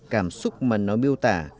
cảm xúc mà nó miêu tả